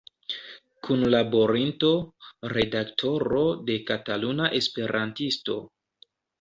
Kunlaborinto, redaktoro de "Kataluna Esperantisto".